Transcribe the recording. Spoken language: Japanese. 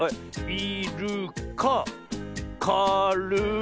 い・る・かか・る・い。